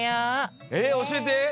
えっおしえて！